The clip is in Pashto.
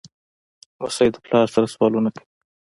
لمسی د پلار سره سوالونه کوي.